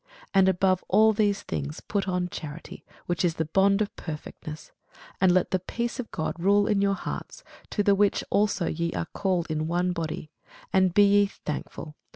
And above all these things put on charity, which is the bond of perfectness. And let the peace of God rule in your hearts, to the which also ye are called in one body; and be ye thankful.